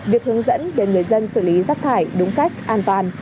việc hướng dẫn để người dân xử lý rác thải đúng cách an toàn